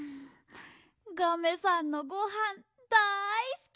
ガメさんのごはんだいすき！